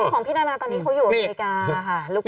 ของพี่นานาตอนนี้เขาอยู่อเมริกาค่ะ